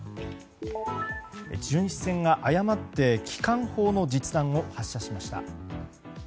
巡視船が誤って機関砲の実弾を発射しました。